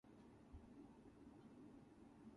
Many of his films are considered camp B-movies.